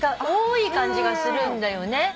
多い感じがするんだよね。